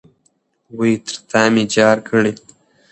وئ ! تر تامي جار کړې